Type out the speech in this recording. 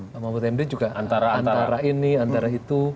pak mahfud md juga antara ini antara itu